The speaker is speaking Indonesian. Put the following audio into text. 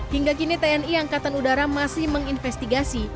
hingga kini tni angkatan udara masih menginvestigasi